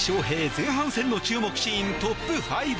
前半戦の注目シーントップ５。